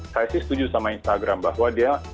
saya sih setuju sama instagram bahwa dia